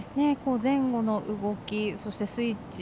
前後の動きそしてスイッチ